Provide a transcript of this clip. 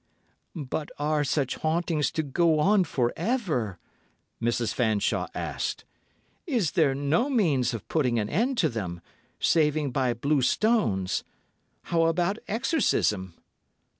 "But are such hauntings to go on for ever?" Mrs. Fanshawe asked. "Is there no means of putting an end to them, saving by blue stones? How about exorcism?"